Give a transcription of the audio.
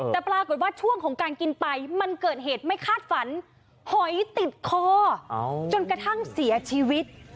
แต่ปรากฏว่าช่วงของการกินไปมันเกิดเหตุไม่คาดฝันหอยติดคอจนกระทั่งเสียชีวิต